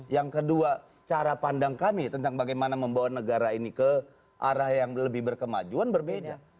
yang kedua cara pandang kami tentang bagaimana membawa negara ini ke arah yang lebih berkemajuan berbeda